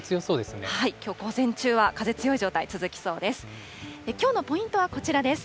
きょう午前中は風強い状態が続きそうです。